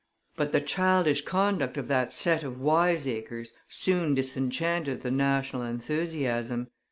But the childish conduct of that set of wiseacres soon disenchanted the national enthusiasm.